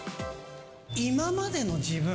今までの自分？